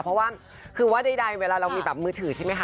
เพราะว่าคือว่าใดเวลาเรามีแบบมือถือใช่ไหมคะ